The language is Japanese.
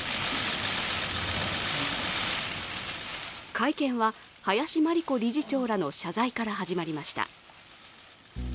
会見は林真理子理事長らの謝罪から始まりました。